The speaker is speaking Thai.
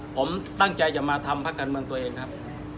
ผมตั้งใจจะมาทำพักการเมืองตัวเองครับ